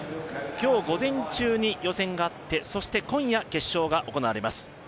今日午前中に予選があってそして、今夜、決勝が行われます。